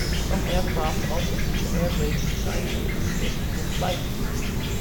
Some aircraft also feature air brakes designed to reduce their speed in flight.